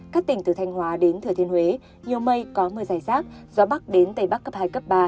các tỉnh từ thanh hóa đến thừa thiên huế nhiều mây có mưa dài rác gió bắc đến tây bắc cấp hai cấp ba